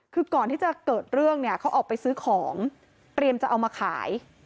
คือก่อนที่จะเกิดเรื่องเนี่ยเขาออกไปซื้อของเตรียมจะเอามาขาย